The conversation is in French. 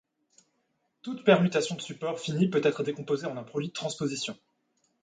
Toute permutation de support fini peut être décomposée en un produit de transpositions.